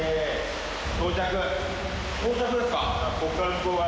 到着ですか？